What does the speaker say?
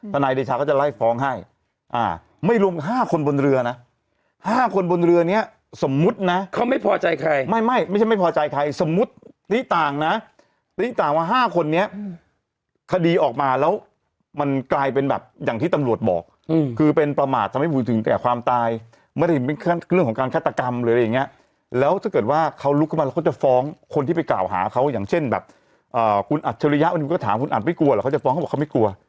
สนัยเดชาก็จะไล่ฟ้องให้อ่าไม่รวมห้าคนบนเรือน่ะห้าคนบนเรือนี้สมมุตินะเขาไม่พอใจใครไม่ไม่ไม่ใช่ไม่พอใจใครสมมุตินี้ต่างนะนี่ต่างว่าห้าคนนี้คดีออกมาแล้วมันกลายเป็นแบบอย่างที่ตำรวจบอกคือเป็นประมาททำให้บูยถึงแต่ความตายไม่ได้เห็นเป็นเรื่องของการฆาตกรรมหรืออะไรอย่างเงี้ยแล้วถ้าเกิดว่าเขาลุกมา